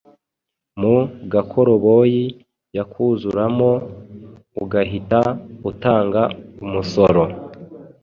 mu gakoroboyi yakuzuramo ugahita utanga umusoro